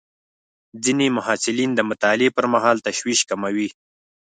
ځینې محصلین د مطالعې پر مهال تشویش کموي.